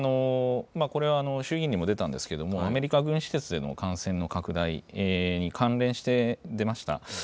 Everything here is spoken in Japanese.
これは衆議院でも出たんですけれども、アメリカ軍施設での感染の拡大に関連して出ました。